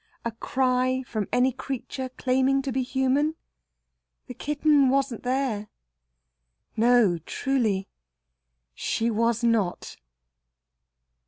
a cry from any creature claiming to be human? "The kitten wasn't there!" No, truly she was not.